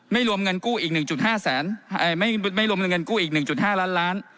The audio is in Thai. ไม่รวมเงินกู้อีก๑๕ล้านล้าน